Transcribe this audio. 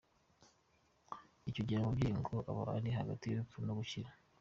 Icyo gihe umubyeyi ngo aba ari hagati y’urupfu no gukira.